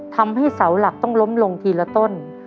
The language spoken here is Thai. ทำให้เสาหลักต้องล้มลงทีละต้น